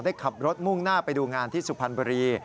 ขับรถมุ่งหน้าไปดูงานที่สุพรรณบุรี